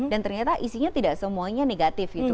dan ternyata isinya tidak semuanya negatif